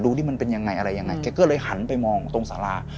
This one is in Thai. ที่มันเป็นยังไงอะไรยังไงแกก็เลยหันไปมองตรงสารา